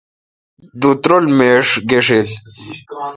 دُت رل میڄ گݭیل